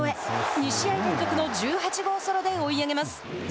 ２試合連続の１８号ソロで追い上げます。